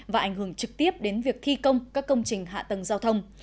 và ảnh hưởng trực tiếp đến việc thi công các công trình hạ tầng giao thông